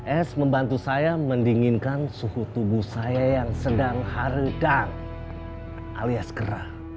es membantu saya mendinginkan suhu tubuh saya yang sedang harum dan alias kera